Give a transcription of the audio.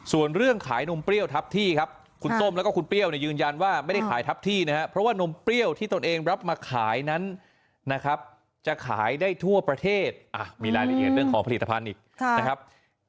ส่วนเรื่องขายนมเปรี้ยวทับที่ครับคุณส้มแล้วก็คุณเปรี้ยวยืนยันว่าไม่ได้ขายทับที่นะครับ